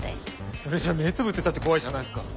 それじゃ目つぶってたって怖いじゃないっすか。